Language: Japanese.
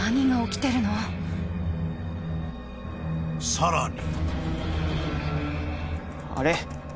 ［さらに］